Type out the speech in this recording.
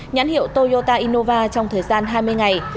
nhãn hiệu toyota innova trong thời gian hai mươi ngày